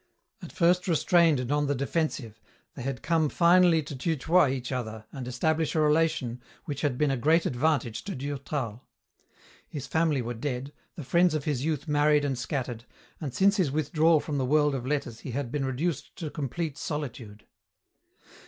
At first restrained and on the defensive, they had come finally to tu toi each other and establish a relation which had been a great advantage to Durtal. His family were dead, the friends of his youth married and scattered, and since his withdrawal from the world of letters he had been reduced to complete solitude.